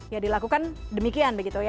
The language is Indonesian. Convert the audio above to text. ya dilakukan demikian